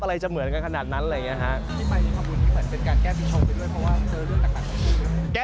อะไรจะเหมือนกันขนาดนั้นอะไรอย่างนี้ครับ